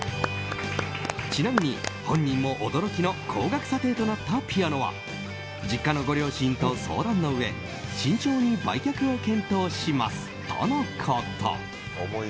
ちなみに、本人も驚きの高額査定となったピアノは実家のご両親と相談のうえ慎重に売却を検討しますとのこと。